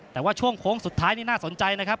แต่ว่าช่วงโค้งสุดท้ายนี่น่าสนใจนะครับ